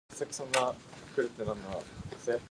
They have no idea in music at all.